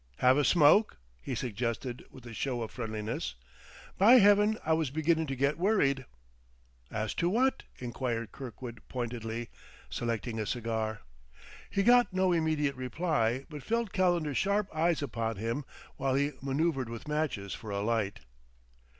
"Have a smoke?" he suggested with a show of friendliness. "By Heaven, I was beginnin' to get worried!" "As to what?" inquired Kirkwood pointedly, selecting a cigar. He got no immediate reply, but felt Calendar's sharp eyes upon him while he manoeuvered with matches for a light.